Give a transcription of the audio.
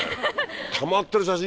たまってる写真